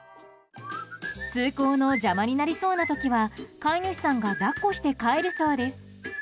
通行の邪魔になりそうな時は飼い主さんが抱っこして帰るそうです。